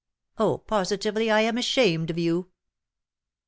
Oh, positively I am ashamed of you!"